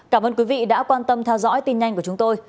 cảm ơn quý vị đã quan tâm theo dõi tin nhanh của chúng tôi